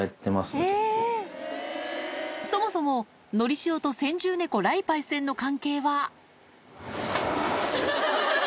そもそも、のりしおと先住猫、雷パイセンの関係は。